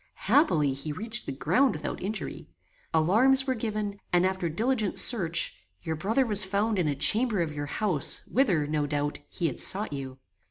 Happily, he reached the ground without injury. Alarms were given, and after diligent search, your brother was found in a chamber of your house, whither, no doubt, he had sought you.